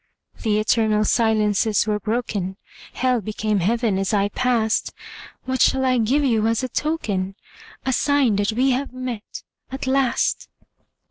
The eternal silences were broken; Hell became Heaven as I passed. What shall I give you as a token, A sign that we have met, at last?